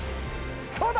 そうだ！